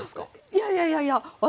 いやいやいやいや私はあの。